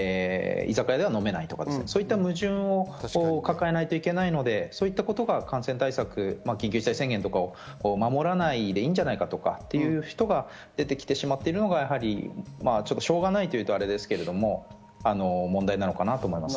選手村ではお酒が飲めるのに、居酒屋では飲めないとか、そういった矛盾を抱えないといけないので、そういったことが感染対策、緊急事態宣言とかを守らないでいいんじゃないかとかっていう人が出てきてしまっているのがしょうがないというとアレですけど、問題なのかなと思います。